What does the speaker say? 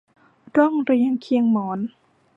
ร่วมเรียงเคียงหมอน